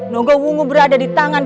noga wungu berada di tangan